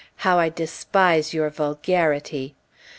How I despise your vulgarity!